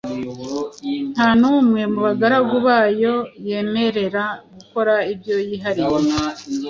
Nta n’umwe mu bagaragu bayo yemerera gukora ibyo yihariye